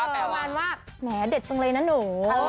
แปลว่าแม่เด็ดตรงเลยนะหนู